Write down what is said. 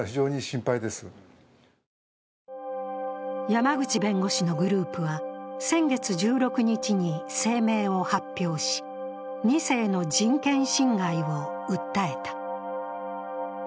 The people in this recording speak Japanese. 山口弁護士のグループは、先月１６日に声明を発表し、２世の人権侵害を訴えた。